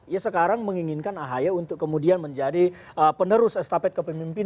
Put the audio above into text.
ya sekarang menginginkan ahy untuk kemudian menjadi penerus estafet kepemimpinan